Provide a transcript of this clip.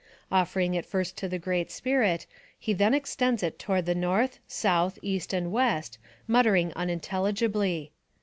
Offering it first to the Great Spirit, he then extends it toward the north, south, east, and west, muttering unintelligibly.